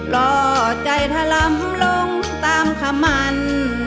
ล่อใจถลำลงตามคำมัน